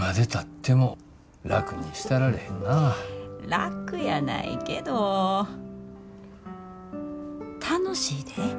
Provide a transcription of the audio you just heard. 楽やないけど楽しいで。